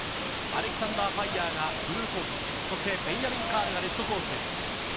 アレキサンダー・パイヤーがブルーコースベンヤミン・カールがレッドコース。